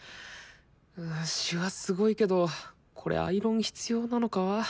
シワすごいけどこれアイロン必要なのか？